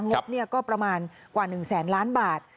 งบก็ประมาณกว่า๑แสนล้านบาท